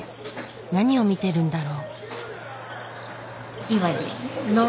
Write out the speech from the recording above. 何を見てるんだろう。